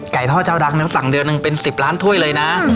ทอดเจ้าดังนึงสั่งเดือนหนึ่งเป็น๑๐ล้านถ้วยเลยนะ